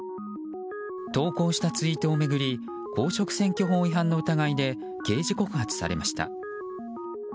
投稿したツイートを巡り公職選挙法違反の疑いで刑事告発されました。